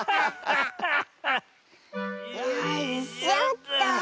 よいしょっと。